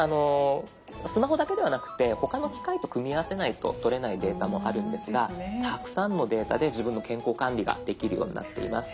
スマホだけではなくて他の機械と組み合わせないととれないデータもあるんですがたくさんのデータで自分の健康管理ができるようになっています。